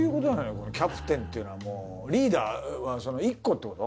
このキャプテンっていうのはもうリーダーは１個ってこと？